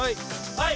はい。